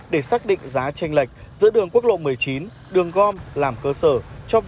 để xác định giá tranh lệch giữa đường quốc lộ một mươi chín